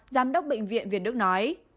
giám đốc bệnh viện việt đức nói